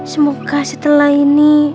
semoga setelah ini